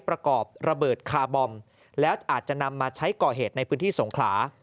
ประกอบระเบิดคาร์บอมแล้วอาจจะนำมาใช้ก่อเหตุในพื้นที่สงขลา